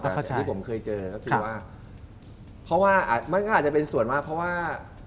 สิ่งที่ผมเคยเจอก็คือว่าเพราะว่ามันก็อาจจะเป็นส่วนมากเพราะว่า